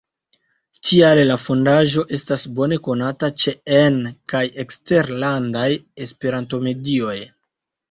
Tial la Fondaĵo estas bone konata ĉe en- kaj eksterlandaj Esperanto-medioj.